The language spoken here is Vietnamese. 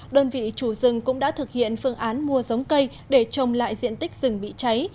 đơn vị chủ rừng cũng đã thực hiện phương án mua giống cây để trồng lại diện tích rừng bị cháy